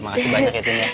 makasih banyak ya tin ya